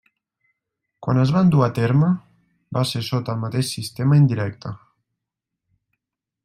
Quan es van dur a terme, va ser sota el mateix sistema indirecte.